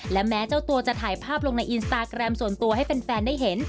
และแม้เจ้าตัวจะถ่ายภาพลงในอินสตาแกรมส่วนตัวให้แฟนได้เห็น